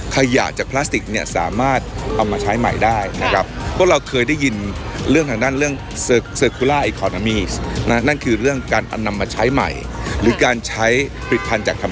ขยะจากพลาสติกเนี่ยสามารถเอามาใช้ใหม่ได้นะครับ